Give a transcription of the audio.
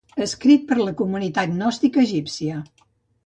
Escrit per a la comunitat gnòstica egípcia.